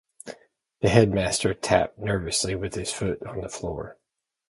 The headmaster tapped nervously with his foot on the floor.